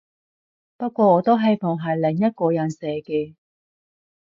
不過我都希望係另外一個人寫嘅